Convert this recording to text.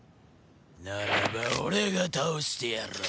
ならば俺が倒してやろう。